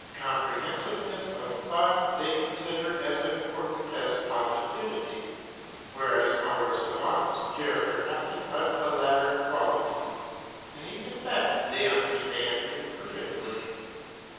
Comprehensiveness of thought they consider as important as positivity, whereas our savants care for nothing but the latter quality, and even that they understand imperfectly.